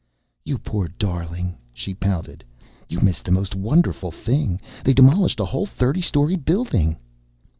"You poor darling," she pouted. "You missed the most wonderful thing! They demolished a whole thirty story building!"